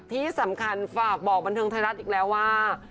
ที่สำคัญฝากบอกบันเทิงไทยรัฐอีกแล้วว่า